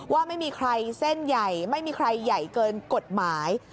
ว่าไม่มีใครเส้นใหญ่ไม่มีใครใหญ่เกินกฎหมาย